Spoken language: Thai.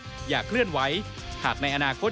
ถ้าอยากเลื่อนไว้หากในอนาคต